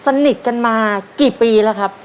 สนิทกันมากี่ปีแล้วครับ